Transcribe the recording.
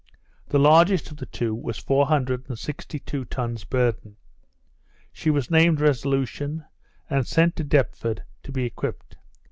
The largest of the two was four hundred and sixty two tons burden. She was named Resolution, and sent to Deptford to be equipped.